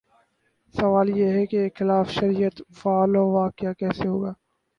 سوال یہ ہے کہ ایک خلاف شریعت فعل واقع کیسے ہوگا؟